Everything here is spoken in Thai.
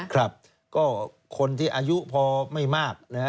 ครับก็คนที่อายุพอไม่มากนะฮะ